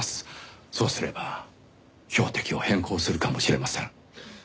そうすれば標的を変更するかもしれません。